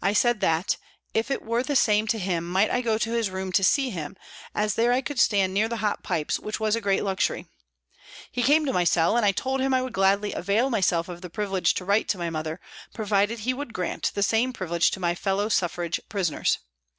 I said that, if it were the same to him, might I go to his room to see him, as there I could stand near the hot pipes, which was a great luxury. He came to my cell, and I told him I u2 292 PRISONS AND PRISONERS would gladly avail myself of the privilege to write to my mother, provided he would grant the same privilege to my fellow Suffrage prisoners.